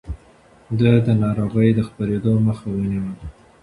ده د ناروغيو د خپرېدو مخه ونيوله.